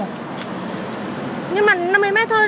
cách nhà có năm mươi m chú không đi được